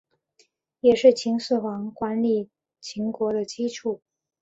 也是秦始皇管理秦国的基础。